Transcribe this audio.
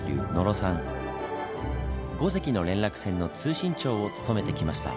５隻の連絡船の通信長を務めてきました。